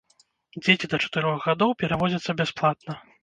Дзеці да чатырох гадоў перавозяцца бясплатна.